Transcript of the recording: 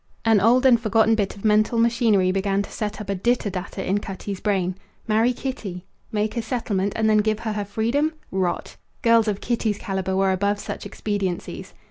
An old and forgotten bit of mental machinery began to set up a ditter datter in Cutty's brain. Marry Kitty? Make a settlement, and then give her her freedom? Rot! Girls of Kitty's calibre were above such expediencies.